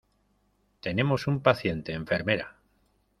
Tenemos un paciente, enfermera.